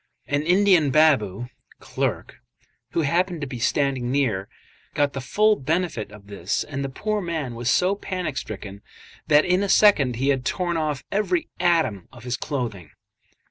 An Indian baboo (clerk), who happened to be standing near, got the full benefit of this, and the poor man was so panic stricken that in a second he had torn off every atom of his clothing.